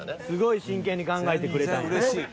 すごい真剣に考えてくれたんやね。